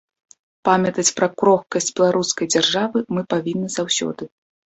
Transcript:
Памятаць пра крохкасць беларускай дзяржавы мы павінны заўсёды.